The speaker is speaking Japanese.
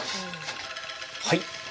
はい。